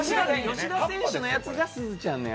吉田選手のやつがすずちゃんのや